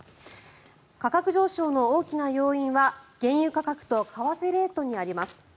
価格上昇の大きな要因は原油価格と為替レートにあります。